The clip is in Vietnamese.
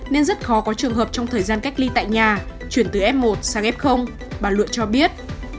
nên rất khó có trường hợp trong thời gian cách ly tại nhà chuyển từ f một sang f bà luyện cho biết